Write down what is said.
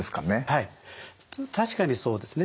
はい確かにそうですね。